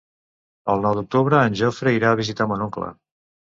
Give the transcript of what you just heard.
El nou d'octubre en Jofre irà a visitar mon oncle.